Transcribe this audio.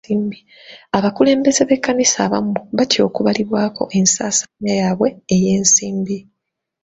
Abakulembeze b'ekkanisa abamu batya okubalibwako ensaasaanya yaabwe ey'ensimbi.